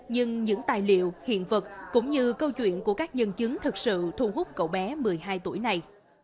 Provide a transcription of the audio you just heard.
nhưng những tài liệu hiện vật cũng như câu chuyện của các nhân chứng thực sự thu hút cậu bé một mươi hai tuổi này